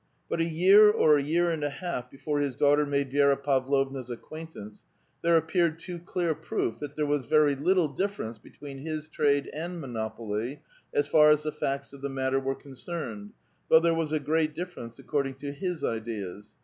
But a year or a j'ear and a half before his daughter made Vi^ra Pavlovnti's acquaintance there ap peared too clear proof that there was very little difference between his trade and monopoly, as far as the facts of the matter were concerned, though there was a great difference according to his ideas.